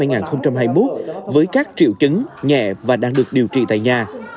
bệnh nhân khởi phát từ ngày ba mươi một tháng bảy năm hai nghìn hai mươi một với các triệu chứng nhẹ và đang được điều trị tại nhà